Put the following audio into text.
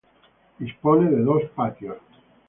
Dispone de dos patios.